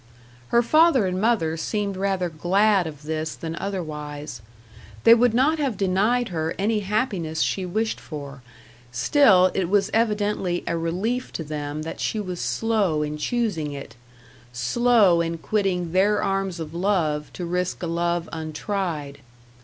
Her father and mother seemed rather glad of this than otherwise. They would not have denied her any happiness she wished for; still it was evidently a relief to them that she was slow in choosing it; slow in quitting their arms of love to risk a love untried.